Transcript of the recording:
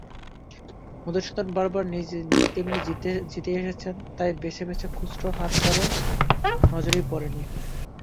মধুসূদন বরাবর তেমনি জিতেই এসেছে– তাই বেছে বেছে খুচরো হার কারো নজরেই পড়েনি।